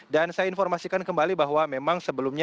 dan saya informasikan kembali bahwa memang sebelumnya